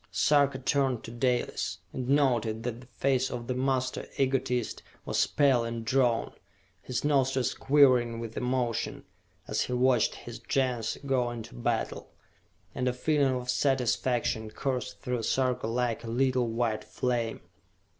Sarka turned to Dalis, and noted that the face of the master egotist was pale and drawn, his nostrils quivering with emotion, as he watched his Gens go into battle, and a feeling of satisfaction coursed through Sarka like a little white flame.